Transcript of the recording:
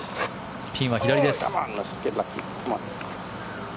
ピンは左です。